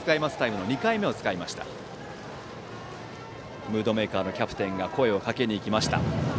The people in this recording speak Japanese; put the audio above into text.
ムードメーカーのキャプテンが声をかけに行きました。